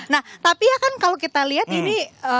nah tapi ya kan kalau kita lihat ini